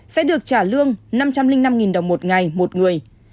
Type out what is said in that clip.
sẽ được trả lương năm trăm linh năm đồng một ngày một người